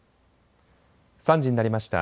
３時になりました。